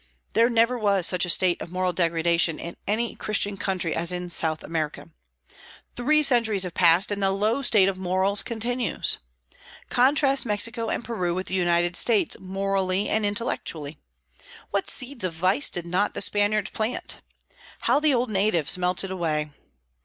There never was such a state of moral degradation in any Christian country as in South America. Three centuries have passed, and the low state of morals continues. Contrast Mexico and Peru with the United States, morally and intellectually. What seeds of vice did not the Spaniards plant! How the old natives melted away!